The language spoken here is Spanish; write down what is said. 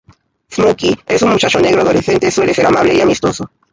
Smokey es un muchacho negro adolescente, suele ser amable y amistoso.